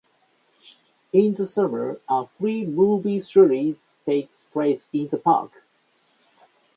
In the summer, a free movie series takes place in the park.